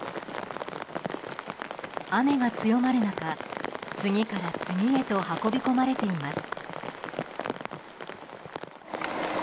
雨が強まる中、次から次へと運び込まれています。